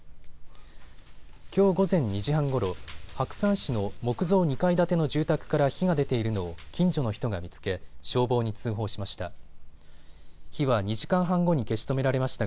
きょう午前２時半ごろ白山市の木造２階建ての住宅から火が出ているのを近所の人が見つけ、消防に通報しました。